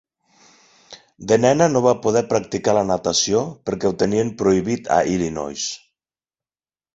De nena no va poder practicar la natació perquè ho tenien prohibit a Illinois.